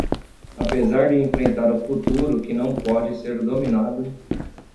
Apesar de enfrentar o futuro que não pode ser dominado